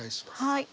はい。